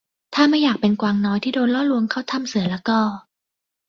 ถ้าไม่อยากเป็นกวางน้อยที่โดนล่อลวงเข้าถ้ำเสือละก็